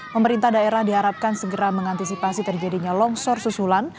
pemerintah daerah diharapkan segera mengantisipasi terjadinya longsor susulan